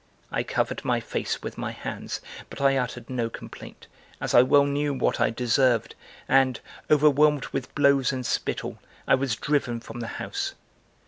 I covered my face with my hands but I uttered no complaint as I well knew what I deserved and, overwhelmed with blows and spittle, I was driven from the house.